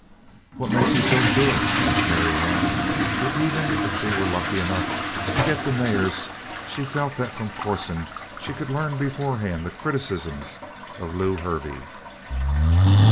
"What makes you so sure?" asked Marianne, for even if she were lucky enough to get the mares she felt that from Corson she could learn beforehand the criticisms of Lew Hervey.